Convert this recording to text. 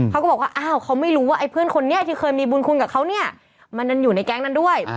เขาก็บอกว่าอ้าวเขาไม่รู้ว่าไอ้เพื่อนคนนี้ที่เคยมีบุญคุณกับเขาเนี่ยมันยังอยู่ในแก๊งนั้นด้วย